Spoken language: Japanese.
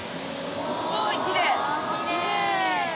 すごいきれい。